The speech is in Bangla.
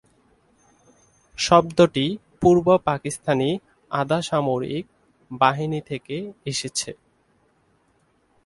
শব্দটি পূর্ব পাকিস্তানি আধাসামরিক বাহিনী থেকে এসেছে।